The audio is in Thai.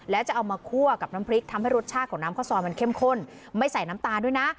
แล้วจะเอามาคั่วกับน้ำพริกทำให้รสชาติของน้ำข้าวซอยมันเข้มข้นไม่ใส่น้ำตาลด้วยนะ